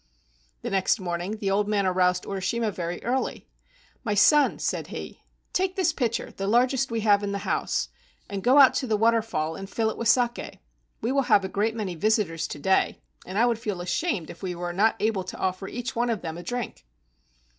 The next morning the old man aroused Urishima very early. "My son," said he, "take this pitcher, the largest we have in the house, and go out to the waterfall and fill it with saki. We will have a great many visitors to day, and I would feel ashamed if we were not able to offer each one of them a drink."